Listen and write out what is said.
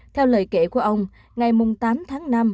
theo lời kể của ông ngày tám tháng năm